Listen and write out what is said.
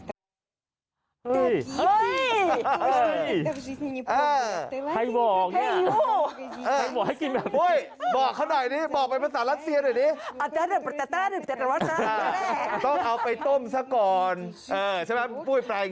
เออไปก็ได้ไว้คคะนั้นเดียวกัน